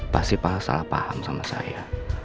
pasti pak salah paham sama saya